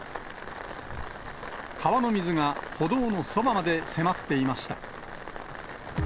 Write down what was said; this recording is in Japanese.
川の水が歩道のそばまで迫っていました。